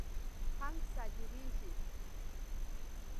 هنګ صادریږي.